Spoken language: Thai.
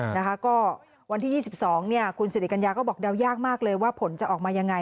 นะคะก็วันที่๒๒เนี่ยคุณสิริกัญญาก็บอกเดายากมากเลยว่าผลจะออกมายังไง